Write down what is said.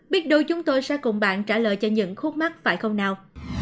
biết đồ chúng tôi sẽ cùng bạn trả lời cho những khuất mắt phải không nào